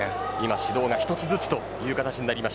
指導が一つずつという形です。